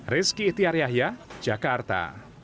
rizky itiar yahya jakarta